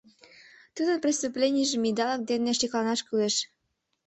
Тудын преступленийжым идалык дене шекланаш кӱлеш.